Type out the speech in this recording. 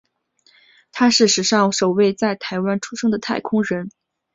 他是史上首位在台湾出生的太空人。